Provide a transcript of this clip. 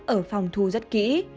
ở phòng thu rất kỹ